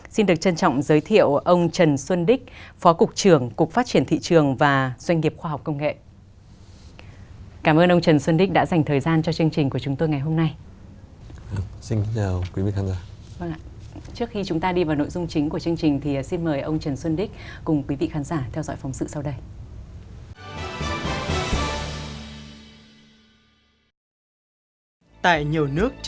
xin được trân trọng giới thiệu ông trần xuân đích phó cục trưởng cục phát triển thị trường và doanh nghiệp khoa học công nghệ